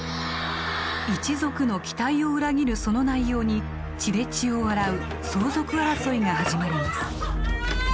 一族の期待を裏切るその内容に血で血を洗う相続争いが始まります